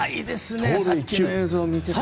さっきの映像を見ていたら。